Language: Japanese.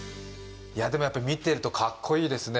でもやっぱり見てるとかっこいいですね